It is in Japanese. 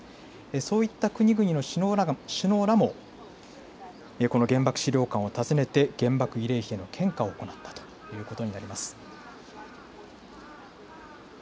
そういった国々の首脳らもこの原爆資料館を訪ねて原爆慰霊碑の献花を行ったということになります。